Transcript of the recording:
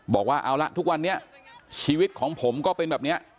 บอกว่าเอาละทุกวันนี้ชีวิตของผมก็เป็นแบบนี้